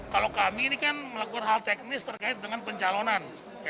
kalau kami ini kan melakukan hal teknis terkait dengan pencalonan